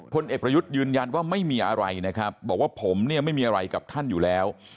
พลเอกประยุทธ์ยืนยันว่าไม่มีอะไรนะครับบอกว่าผมเนี่ยไม่มีอะไรกับท่านอยู่แล้ว